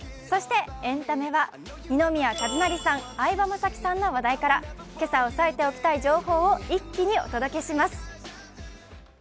そしてエンタメは二宮和也さん、相葉雅紀さんの話題から今朝押さえておきたい情報を一気にお届けします。